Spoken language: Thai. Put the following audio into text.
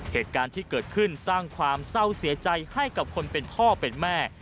เหตุการณ์ที่เกิดขึ้นสร้างความเศร้าเสียใจให้กับคนเป็นพ่อเป็นแม่